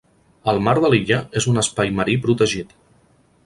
El mar de l'illa és un Espai Marí Protegit.